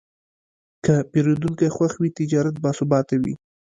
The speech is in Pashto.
که پیرودونکی خوښ وي، تجارت باثباته وي.